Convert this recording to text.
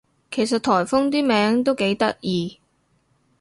其實颱風啲名都幾得意